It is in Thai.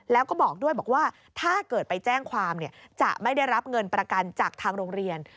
แล้วก็บอกด้วยบอกว่าถ้าเกิดไปแจ้งความจะไม่ได้รับเงินประกันจากทางโรงเรียน